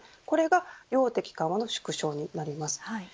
これが量的緩和の縮小となります。